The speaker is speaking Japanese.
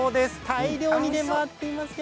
大量に出回っています。